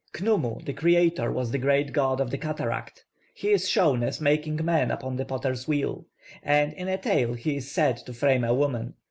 +Khnumu+, the creator, was the great god of the cataract. He is shown as making man upon the potter's wheel; and in a tale he is said to frame a woman.